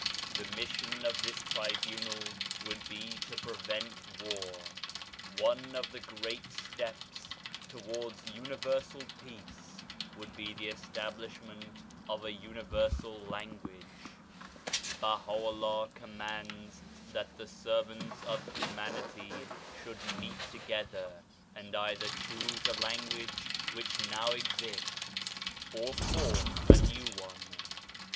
The mission of this Tribunal would be to prevent war. One of the great steps towards Universal Peace would be the establishment of a Universal Language, UNIVERSAL PEACE 145 Baha'u'llah commands that the servants of humanity should meet together, and either choose a language which now exists, or form a new one.